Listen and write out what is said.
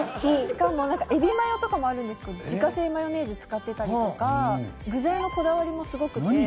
しかもなんか海老マヨとかもあるんですけど自家製マヨネーズ使ってたりとか具材のこだわりもすごくて。